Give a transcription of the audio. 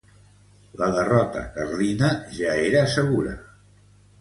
La derrota carlina ja era segura.